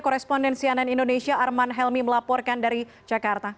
korespondensi ann indonesia arman helmi melaporkan dari jakarta